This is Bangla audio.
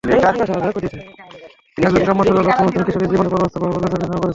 একজন গ্রাম্য সরল অন্তর্মুখিন কিশোরীর জীবনের পর্বান্তর বাহুল্যবর্জিতভাবে তিনি ধারণ করেছেন।